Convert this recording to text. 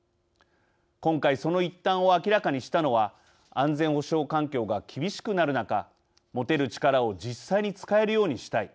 今回、その一端を明らかにしたのは安全保障環境が厳しくなる中持てる力を実際に使えるようにしたい。